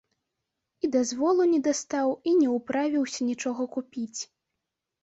І дазволу не дастаў, і не ўправіўся нічога купіць.